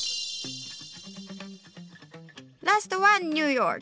ラストはニューヨーク。